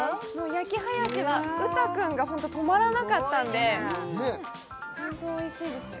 焼きハヤシは羽汰くんがホント止まらなかったんでホントおいしいですよ